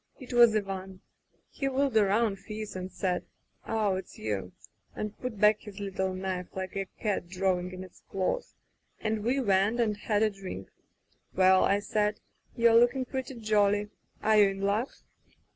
It was Ivan. He wheeled around, fierce, then said : *0h, it's you,' and put back his little knife, like a cat drawing in its claws, and we went and had a drink. 'Well,* I said, 'you're looking pretty jolly. Are you in luck?